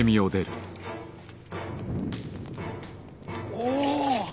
お！